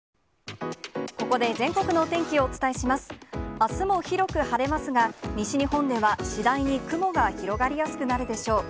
あすも広く晴れますが、西日本では次第に雲が広がりやすくなるでしょう。